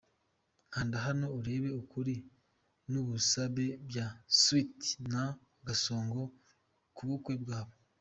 Kanda hano urebe ukuri n'ubusabe bya Sweety na Gasongo ku bukwe bwabo.